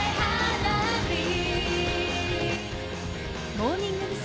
モーニング娘。